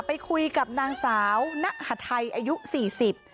ไปคุยกับนางสาวณหาไทยอายุสี่สิบ